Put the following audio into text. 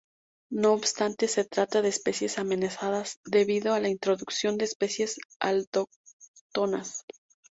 No obstante, se trata de especies amenazadas debido a la introducción de especies alóctonas.